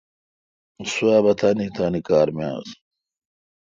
سواب تان تان کار می آس